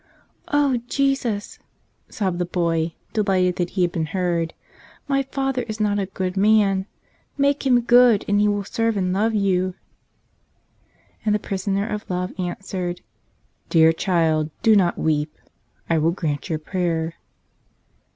"O Jesus," sobbed the boy, delighted that he had been heard, "my father is not a good man. Make him good, and he will serve and love You." And the Prisoner of Love answered, "Dear child, do not weep ; I will grant your prayer."